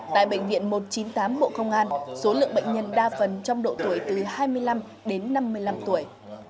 tại bệnh viện một trăm chín mươi tám bộ công an số lượng bệnh nhân đa phần trong độ tuổi từ hai mươi năm đến năm mươi năm tuổi